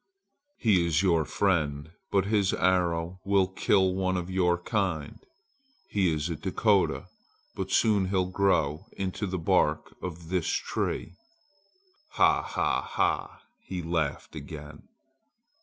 "He is your friend, but his arrow will kill one of your kind! He is a Dakota, but soon he'll grow into the bark on this tree! Ha! ha! ha!" he laughed again.